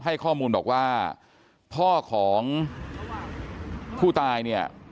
ให้ข้อมูลบอกว่าพ่อของผู้ตายเนี่ย